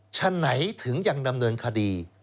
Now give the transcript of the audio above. ฉะไหนถึงยังดำเนินคดี